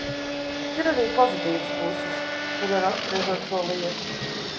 Bet ir arī pozitīvas puses, šodien apspriežot šo lietu.